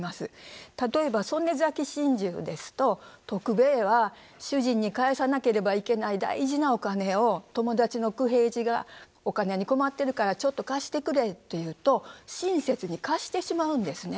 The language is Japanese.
例えば「曽根崎心中」ですと徳兵衛は主人に返さなければいけない大事なお金を友達の九平次が「お金に困ってるからちょっと貸してくれ」と言うと親切に貸してしまうんですね。